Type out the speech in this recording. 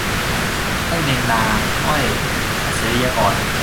ไอ้แมงดา - อ้อย อัจฉริยกร